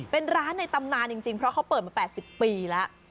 เป็นร้านในตำนานจริงเพราะเขาเปิดมา๘๐ปีแล้ว